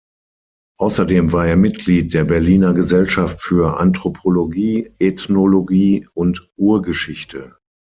Außerdem war er Mitglied der Berliner Gesellschaft für Anthropologie, Ethnologie und Urgeschichte.